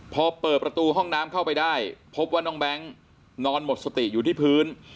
พอเปิดประตูห้องน้ำเข้าไปได้พบว่าน้องแบงค์นอนหมดสติอยู่ที่พื้น